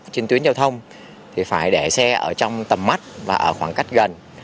trên tuyến giao thông thì phải để xe ở trong tầm mắt và ở khoảng cách gần